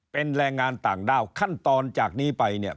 เป็นแรงงานต่างด้าวขั้นตอนจากนี้ไปเนี่ย